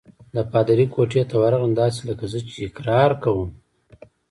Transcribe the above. د پادري کوټې ته ورغلم، داسې لکه زه چې اقرار کوم.